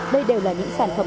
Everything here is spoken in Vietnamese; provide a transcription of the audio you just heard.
các cây trầm hương được sử dụng